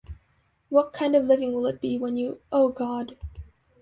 What kind of living will it be when you — oh, God!